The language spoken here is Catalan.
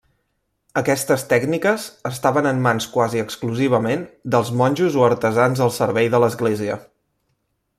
Aquestes tècniques estaven en mans quasi exclusivament dels monjos o artesans al servei de l'església.